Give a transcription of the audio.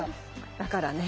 だからね